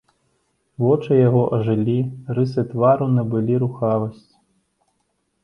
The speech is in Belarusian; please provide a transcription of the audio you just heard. Вочы яго ажылі, рысы твару набылі рухавасць.